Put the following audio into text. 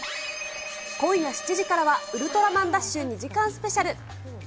今夜７時からはウルトラマンＤＡＳＨ２時間スペシャル。